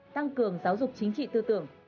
tăng cường giáo dục chính trị tư tưởng